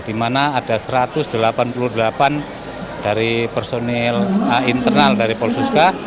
di mana ada satu ratus delapan puluh delapan dari personil internal dari polsuska